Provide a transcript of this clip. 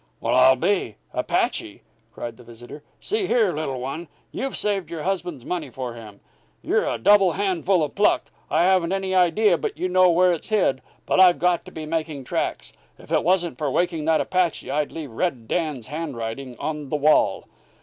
"Well, I'll be ! Apache!" cried the visitor. "See here, little one, you've saved your husband's money for him. You're a double handful of pluck. I haven't any idea but you know where it's hid but I've got to be making tracks. If it wasn't for waking that Apache I'd leave Red Dan's handwriting on the wall."